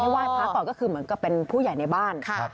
ไหว้พระก่อนก็คือเหมือนกับเป็นผู้ใหญ่ในบ้าน